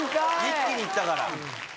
一気に行ったから。